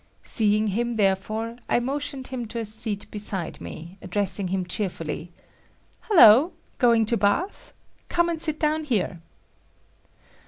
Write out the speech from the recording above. Seeing him, therefore, I motioned him to a seat beside me, addressing him cheerfully: "Hello[H], going to bath? Come and sit down here."